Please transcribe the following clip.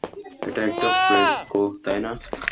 এটা একটা ফ্রেস্কো, তাই না?